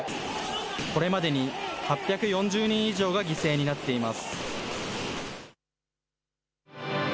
これまでに８４０人以上が犠牲になっています。